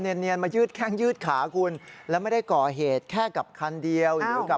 เนียนมายืดแข้งยืดขาคุณแล้วไม่ได้ก่อเหตุแค่กับคันเดียวหรือกับ